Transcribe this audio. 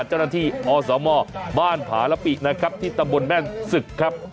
เจ้าหน้าที่อสมบ้านผาละปิกนะครับที่ตำบลแม่นศึกครับ